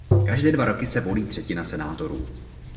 Každé dva roky se volí třetina senátorů.